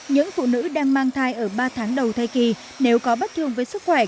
những phụ nữ đang mang thai ở ba tháng đầu thay kỳ nếu có bất thường với sức khỏe